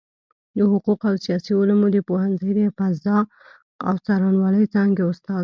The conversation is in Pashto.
د حقوقو او سياسي علومو د پوهنځۍ د قضاء او څارنوالۍ څانګي استاد